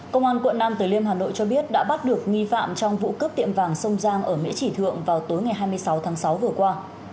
công an quận nam tử liêm hà nội cho biết đã bắt được nghi phạm trong vụ cướp tiệm vàng sông giang ở mỹ chỉ thượng vào tối ngày hai mươi sáu tháng sáu vừa qua